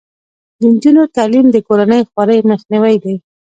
د نجونو تعلیم د کورنۍ خوارۍ مخنیوی دی.